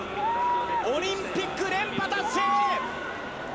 オリンピック連覇達成！